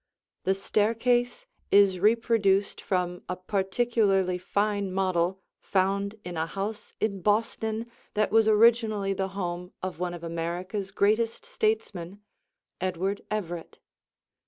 The staircase is reproduced from a particularly fine model found in a house in Boston that was originally the home of one of America's greatest statesmen, Edward Everett.